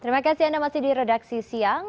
terima kasih anda masih di redaksi siang